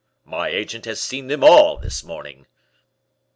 my agent has seen them all this morning."